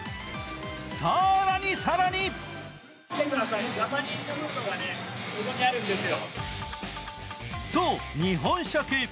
更に更にそう日本食。